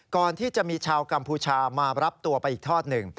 ก่อนที่จะมีชาวกัมพูชามารับตัวไปอีกทอดหนึ่ง